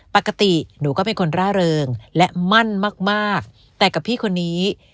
ปกติหนูก็เป็นคนร่าเริงและมั่นมากแต่กับพี่คนนี้